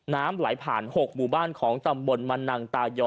น้ำไหลผ่าน๖หมู่บ้านของตำบลมันนังตายอ